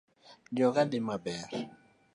Joga dhi maber